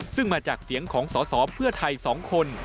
ซึ่งมาจากเสียงของสอสอเพื่อไทย๒คน